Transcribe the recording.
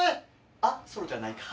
あっそうじゃないか。